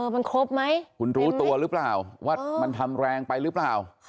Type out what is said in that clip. มันครบไหมคุณรู้ตัวหรือเปล่าว่ามันทำแรงไปหรือเปล่า